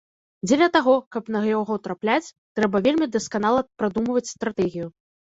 Дзеля таго, каб на яго трапляць, трэба вельмі дасканала прадумваць стратэгію.